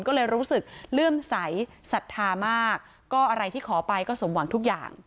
ก็เลยรู้สึกเลื่อมใสสัทธามากก็อะไรที่ขอไปก็สมหวังทุกอย่าง